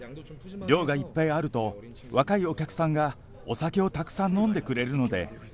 量がいっぱいあると、若いお客さんがお酒をたくさん飲んでくれるので。